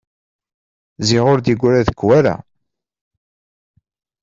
Ziɣ ur d-yegra deg-k wara!